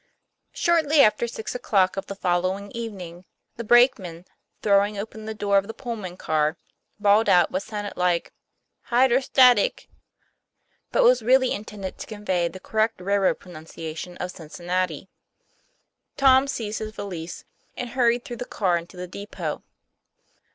OHORTLY after six o'clock of the following even O ing the brakeman, throwing open the door of the Pullman car, bawled out what sounded like 4 Hydrostatic," but was really intended to convey the correct railroad pronunciation of Cincinnati. Tom seized his valise and hurried through the car into the depot.